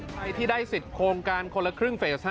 ใครที่ได้สิทธิ์โครงการคนละครึ่งเฟส๕